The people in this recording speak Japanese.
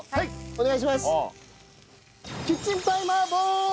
お願いします！